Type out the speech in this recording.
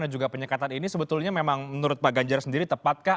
dan juga penyekatan ini sebetulnya memang menurut pak ganjar sendiri tepatkah